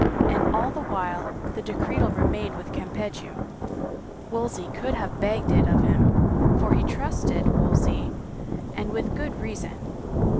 And all the while the decretal remained with Campeggio — Wolsey could have begged it of him for he trusted Wolsey and with good reason!